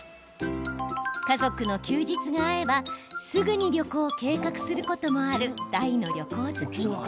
家族の休日が合えばすぐに旅行を計画することもある大の旅行好き。